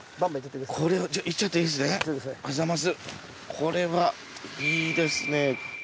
これはいいですね。